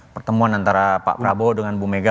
pertemuan antara pak prabowo dengan bu mega